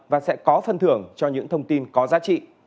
và sẽ có phân thưởng cho những thông tin có giá trị